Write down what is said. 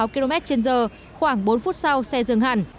tám mươi sáu km trên giờ khoảng bốn phút sau xe dừng hẳn